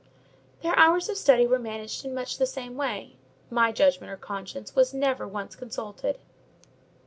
Their hours of study were managed in much the same way; my judgment or convenience was never once consulted.